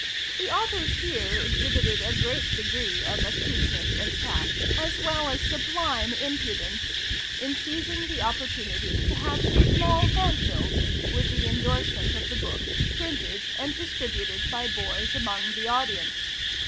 The authors here exhibited a great degree of acuteness and tact, as well as sublime impudence, in seizing the opportunity to have some small hand bills, with the endorsement of the book, printed and distributed by boys among the audience.